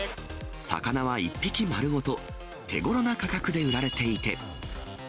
魚は１匹丸ごと、手ごろな価格で売られていて。